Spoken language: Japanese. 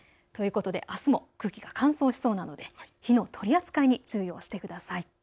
ということで、あすも空気が乾燥しそうなので火の取り扱いに注意をしてください。